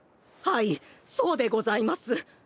はいそうでございます。